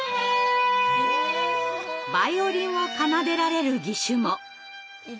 バイオリンを奏でられる義手も！